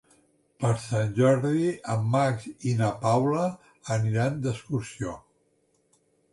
Per Sant Jordi en Max i na Paula aniran d'excursió.